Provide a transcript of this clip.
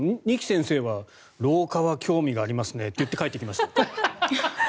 二木先生は老化は興味がありますねって帰っていきました。